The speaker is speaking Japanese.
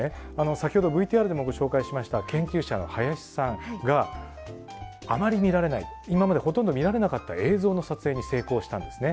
先ほどＶＴＲでもご紹介しました研究者の林さんがあまり見られない今までほとんど見られなかった映像の撮影に成功したんですね。